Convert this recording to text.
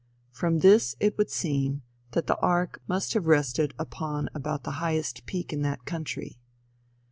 From this it would seem that the ark must have rested upon about the highest peak in that country.